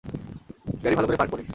গাড়ি ভালো করে পার্ক করিস।